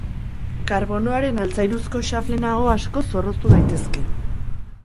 Karbonoaren altzairuzko xaflen ahoa asko zorroztu daitezke.